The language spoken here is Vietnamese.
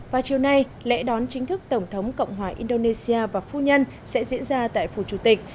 và chiều nay lễ đón chính thức tổng thống cộng hòa indonesia và phu nhân sẽ diễn ra tại phủ chủ tịch